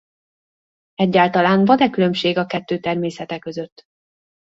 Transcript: Egyáltalán van-e különbség a kettő természete között?